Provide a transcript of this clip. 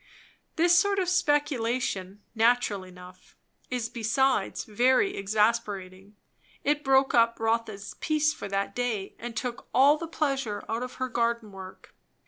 This sort of speculation, natural enough, is besides very exasperating. It broke up Rotha's peace for that day and took all the pleasure out of her garden work.